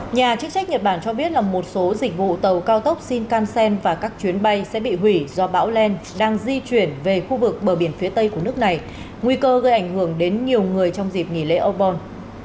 nhà chức trách nhật bản cho biết là một số dịch vụ tàu cao tốc shinkansen và các chuyến bay sẽ bị hủy do bão len đang di chuyển về khu vực bờ biển phía tây của nước này nguy cơ gây ảnh hưởng đến nhiều người trong dịp nghỉ lễ obon